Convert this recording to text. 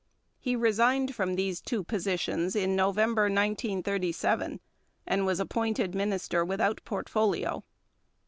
He resigned from these two positions in November 1937, and was appointed Minister without Portfolio.